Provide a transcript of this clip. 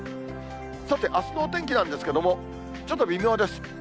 さてあすのお天気なんですけれども、ちょっと微妙です。